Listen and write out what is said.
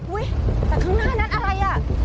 อุ๊ยแต่ข้างหน้านั้นอะไร